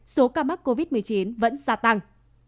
số ca mắc covid một mươi chín vẫn gia tăng